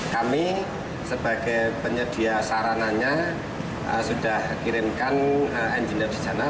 kami sebagai penyedia sarananya sudah kirimkan engineer di sana